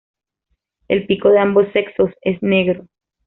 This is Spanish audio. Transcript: El pico de ambos sexos es negro.